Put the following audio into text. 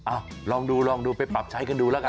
อ่าลองดูไปปรับใช้กันดูละกัน